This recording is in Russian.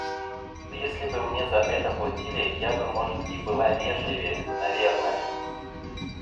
Если бы мне за это платили, я бы может и была вежливее. Наверное.